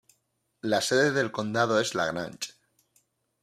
La sede del condado es LaGrange.